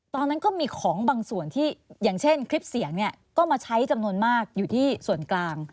ตอนนั้นก็มีของบางส่วนที่อย่างเช่นคลิปเสียงเนี่ยก็มาใช้จำนวนมากอยู่ที่ส่วนกลาง